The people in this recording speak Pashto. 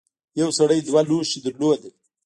یو سړي دوه لوښي درلودل.